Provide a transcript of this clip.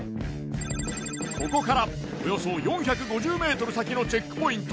ここからおよそ４５０ｍ先のチェックポイント